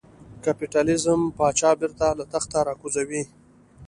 کاپیتالېزم پاچا بېرته له تخته را کوزوي.